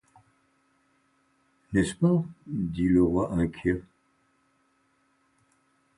N’est-ce pas ? dit le roi inquiet.